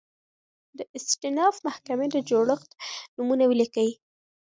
د استیناف محکمي د جوړښت نومونه ولیکئ؟